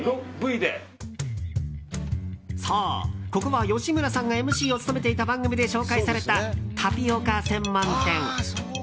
そう、ここは吉村さんがＭＣを務めていた番組で紹介されたタピオカ専門店。